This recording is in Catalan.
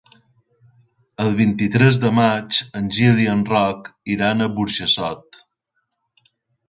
El vint-i-tres de maig en Gil i en Roc iran a Burjassot.